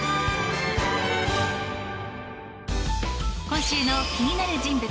今週の気になる人物